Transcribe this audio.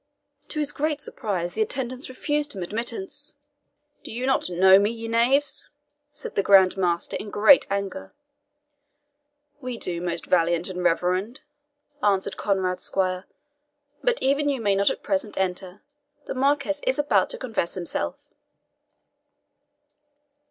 To his great surprise, the attendants refused him admittance. "Do you not know me, ye knaves?" said the Grand Master, in great anger. "We do, most valiant and reverend," answered Conrade's squire; "but even you may not at present enter the Marquis is about to confess himself."